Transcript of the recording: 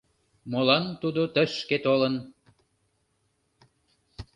Молан тудо тышке толын?